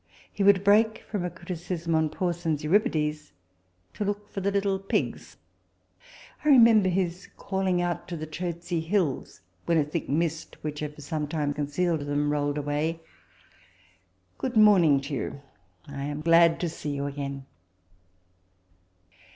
He would break from a criticism on Person's " Euripides " to look for the little pigs. I re member his calling out to the Chertsey hills, when a thick mist, which had for some time concealed them, rolled away :" Good morning to you ! I am glad to see you again."